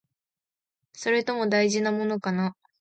それとも、大事なものかな？